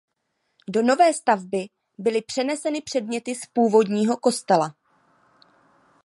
Do nové stavby byly přeneseny předměty z původního kostela.